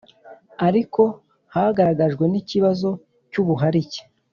ariko hagaragajwe n ikibazo cy’ubuharike